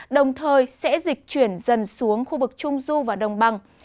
đồng thời sẽ dịch chuyển dần xuống khu vực trung du và đồng bằng